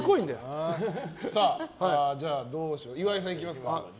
じゃあ岩井さん、いきますか。